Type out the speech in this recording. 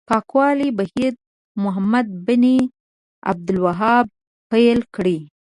پاکولو بهیر محمد بن عبدالوهاب پیل کړی.